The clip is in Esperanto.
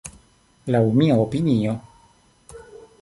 Laŭ mia opinio.